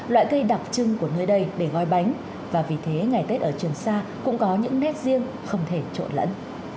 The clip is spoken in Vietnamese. loại cây đặc trưng của nơi đây để gói bánh và vì thế ngày tết ở trường sa cũng có những nét riêng không thể trộn lẫn